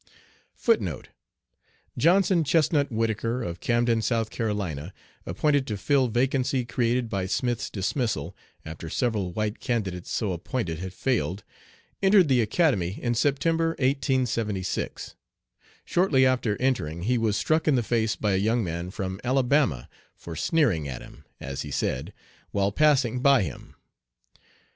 *Johnson Chestnut Whittaker, of Camden, South Carolina, appointed to fill vacancy created by Smith's dismissal, after several white candidates so appointed had failed, entered the Academy in September, 1876. Shortly after entering he was struck in the face by a young man from Alabama for sneering at him, as he said, while passing by him.